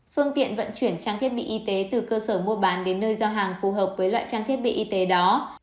phương tiện vận chuyển trang thiết bị y tế từ cơ sở mua bán đến nơi giao hàng phù hợp với loại trang thiết bị y tế đó